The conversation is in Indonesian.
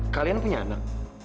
kalian punya anak